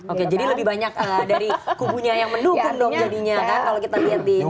oke jadi lebih banyak dari kubunya yang mendukung dong jadinya kan kalau kita lihat di